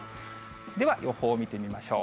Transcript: では、予報を見てみましょう。